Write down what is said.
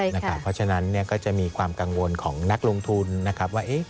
เพราะฉะนั้นก็จะมีความกังวลของนักลงทุนนะครับว่า